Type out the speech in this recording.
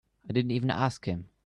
I didn't even ask him.